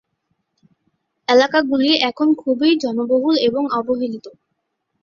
এলাকাগুলি এখন খুবই জনবহুল ও অবহেলিত।